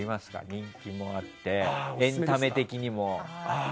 人気もあって、エンタメ的にも。